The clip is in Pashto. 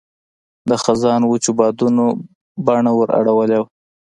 د خزان وچو بادونو بڼه ور اړولې وه.